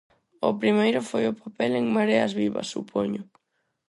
O primeiro foi o papel en Mareas Vivas, supoño.